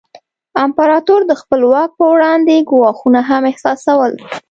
امپراتور د خپل واک پر وړاندې ګواښونه هم احساسول.